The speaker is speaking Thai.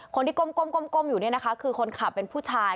คนที่ก้มอยู่เนี่ยนะคะคือคนขับเป็นผู้ชาย